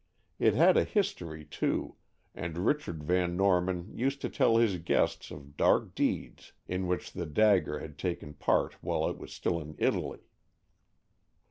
It had a history, too, and Richard Van Norman used to tell his guests of dark deeds in which the dagger had taken part while it was still in Italy.